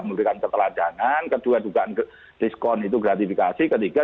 seluruh masyarakat indonesia